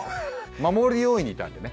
守り要員にいたのでね。